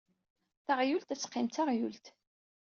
Taɣyult ad teqqim d taɣyult.